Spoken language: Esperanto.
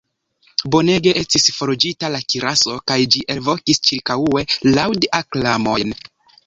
Bonege estis forĝita la kiraso kaj ĝi elvokis ĉirkaŭe laŭd-aklamojn.